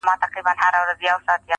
o چي غل نه اوړي. مل دي واوړي٫